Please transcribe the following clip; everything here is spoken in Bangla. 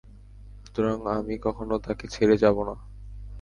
সুতরাং আমি কখনো তাঁকে ছেড়ে যাব না।